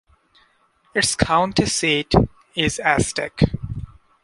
Its county seat is Aztec.